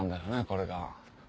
これが。